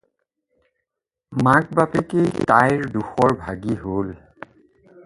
মাক-বাপেকেই তাইৰ দোষৰ ভাগী হ'ল।